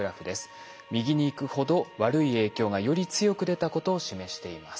右に行くほど悪い影響がより強く出たことを示しています。